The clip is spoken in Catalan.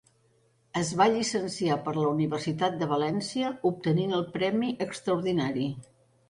Es va llicenciar per la Universitat de València, obtenint el premi extraordinari.